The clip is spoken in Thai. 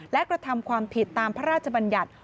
และกระทำความผิดตามพระราชบัญญัติ